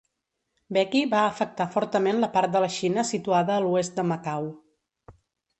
Becky va afectar fortament la part de la Xina situada a l'oest de Macau.